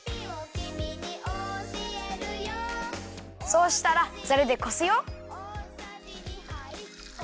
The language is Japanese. そうしたらザルでこすよ。